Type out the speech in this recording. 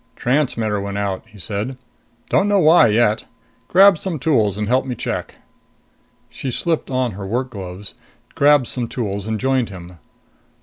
"Transmitters went out," he said. "Don't know why yet. Grab some tools and help me check." She slipped on her work gloves, grabbed some tools and joined him.